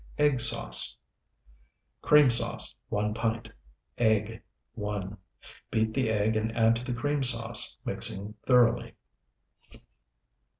EGG SAUCE Cream sauce, 1 pint. Egg, 1. Beat the egg and add to the cream sauce, mixing thoroughly.